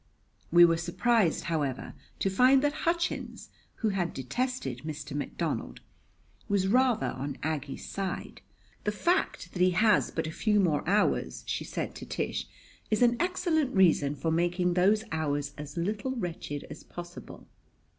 We were surprised, however, to find that Hutchins, who had detested Mr. McDonald, was rather on Aggie's side. "The fact that he has but a few more hours," she said to Tish, "is an excellent reason for making those hours as little wretched as possible."